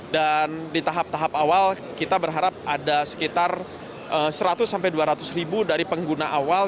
dan di tahap tahap awal kita berharap ada sekitar seratus dua ratus ribu dari pengguna awal